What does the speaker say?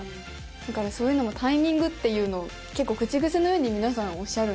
だからそういうのもタイミングっていうのを結構口癖のように皆さんおっしゃるんですよ。